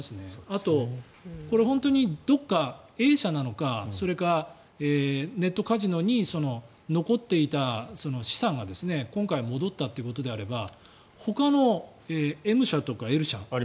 あと、これ本当にどこかＡ社なのかそれかネットカジノに残っていた資産が今回戻ったということであればほかのＭ社とかＬ社